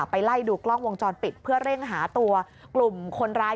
ไล่ดูกล้องวงจรปิดเพื่อเร่งหาตัวกลุ่มคนร้าย